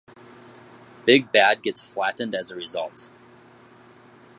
Big Bad gets flattened as a result.